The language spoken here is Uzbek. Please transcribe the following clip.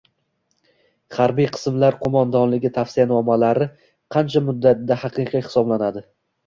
harbiy qismlar qo‘mondonligi tavsiyanomalari qancha muddatda haqiqiy hisoblanadi?